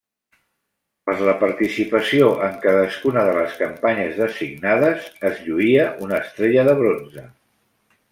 Per la participació en cadascuna de les campanyes designades es lluïa una estrella de bronze.